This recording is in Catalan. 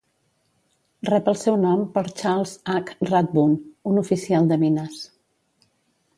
Rep el seu nom per Charles H. Rathbun, un oficial de mines